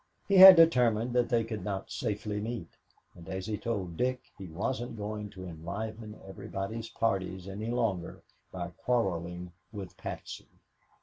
He had determined that they could not safely meet, and, as he told Dick, he wasn't going to enliven everybody's parties any longer by quarreling with Patsy.